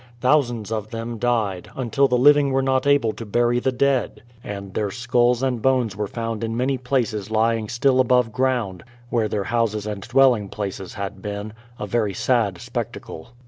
Thousands of them died, until the living were not able to bury the dead, and their skulls and bones were found in many places lying still above ground, where their houses and dwelling places had been, — a very sad spectacle.